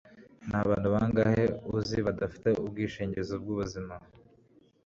Nabantu bangahe uzi badafite ubwishingizi bwubuzima